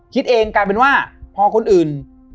คิดเองกลายเป็นว่าพอคนอื่น